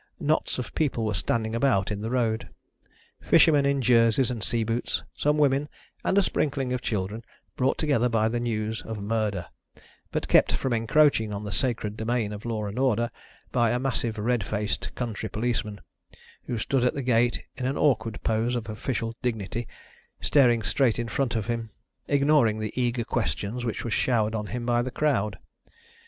Knots of people were standing about in the road fishermen in jerseys and sea boots, some women, and a sprinkling of children brought together by the news of murder, but kept from encroaching on the sacred domain of law and order by a massive red faced country policeman, who stood at the gate in an awkward pose of official dignity, staring straight in front of him, ignoring the eager questions which were showered on him by the crowd.